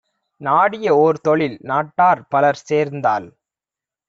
நாடிய ஓர்தொழில் நாட்டார் பலர்சேர்ந்தால்